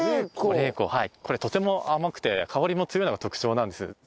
これとても甘くて香りも強いのが特徴なんです。